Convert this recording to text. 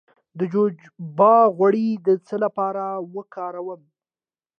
د جوجوبا غوړي د څه لپاره وکاروم؟